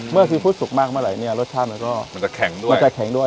ซีฟู้ดสุกมากเมื่อไหร่เนี่ยรสชาติมันก็มันจะแข็งด้วยมันจะแข็งด้วย